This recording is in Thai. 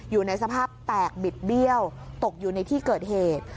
อยู่ในสภาพแตกบิดเบี้ยวตกอยู่ในที่เกิดเหตุ